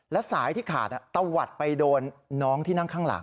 และสายที่ขาดตะวัดไปโดนน้องที่นั่งข้างหลัง